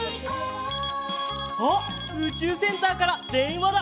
あっうちゅうセンターからでんわだ！